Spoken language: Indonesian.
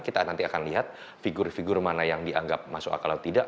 kita nanti akan lihat figur figur mana yang dianggap masuk akal atau tidak